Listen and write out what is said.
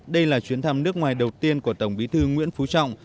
đây là chuyến thăm nước ngoài đầu tiên của tổng bí thư nguyễn phú trọng